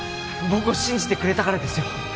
僕を信じてくれたからですよ